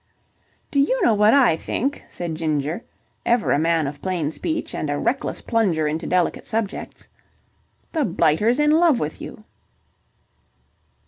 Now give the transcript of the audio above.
"Do you know what I think?" said Ginger, ever a man of plain speech and a reckless plunger into delicate subjects. "The blighter's in love with you."